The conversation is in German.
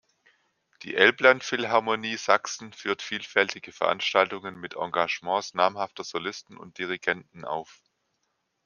Die Elbland Philharmonie Sachsen führt vielfältige Veranstaltungen mit Engagements namhafter Solisten und Dirigenten auf.